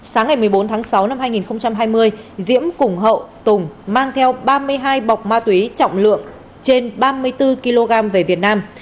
sáng ngày một mươi bốn tháng sáu năm hai nghìn hai mươi diễm cùng hậu tùng mang theo ba mươi hai bọc ma túy trọng lượng trên ba mươi bốn kg về việt nam